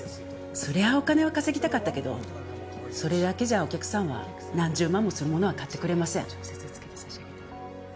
そりゃお金は稼ぎたかったけどそれだけじゃお客さんは何十万もするものは買ってくれません。